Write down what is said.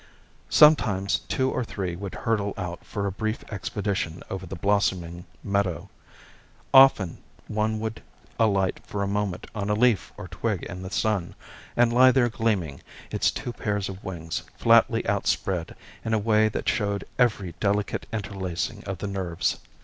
Sometimes two or three would hurtle out for a brief expedition over the blossoming meadow. Often one would alight for a moment on a leaf or twig in the sun, and lie there gleaming, its two pairs of wings flatly outspread in a way that showed every delicate interlacing of the nerves.